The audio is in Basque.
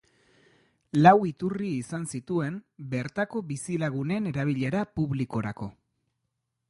Lau iturri izan zituen, bertako bizilagunen erabilera publikorako.